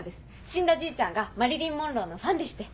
死んだじいちゃんがマリリン・モンローのファンでして。